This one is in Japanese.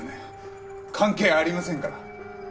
関係ありませんから。